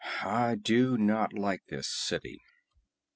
I do not like this city."